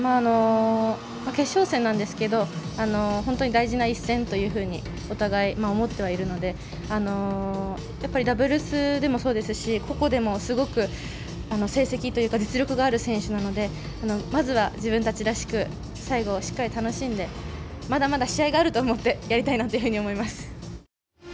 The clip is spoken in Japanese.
決勝戦なんですが本当に大事な一戦というふうにお互い、思ってはいるのでダブルスでもそうですし個々でも、すごく成績というか実力がある選手なのでまずは自分たちらしく最後をしっかり楽しんでまだまだ試合があると思ってやりたいなというふうに思います。